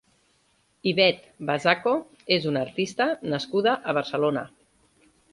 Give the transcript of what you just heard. Ivet Bazaco és una artista nascuda a Barcelona.